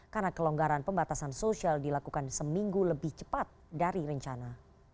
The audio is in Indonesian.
karena kelonggaran pembatasan sosial dilakukan seminggu lebih cepat dari rencana